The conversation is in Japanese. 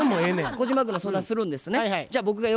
小島君の相談するんですね？